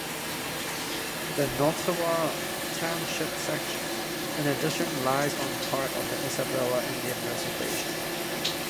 The Nottawa Township section, in addition, lies on part of the Isabella Indian Reservation.